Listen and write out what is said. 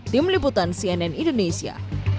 tim liputan cnn indonesia